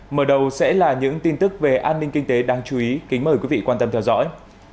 mở đầu sẽ là những tin tức về an ninh kinh tế đáng chú ý kính mời quý vị quan tâm theo dõi